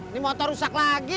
ini motor rusak lagi